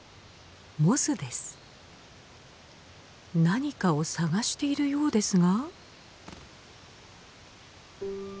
何かを探しているようですが？